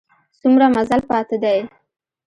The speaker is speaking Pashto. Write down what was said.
څومره مزل پاته دی؟